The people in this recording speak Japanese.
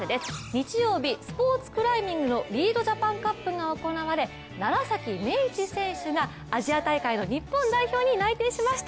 日曜日、スポーツクライミングのリードジャパンカップが行われ楢崎明智選手がアジア大会の日本代表に内定しました。